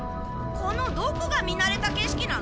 このどこが見なれた景色なの？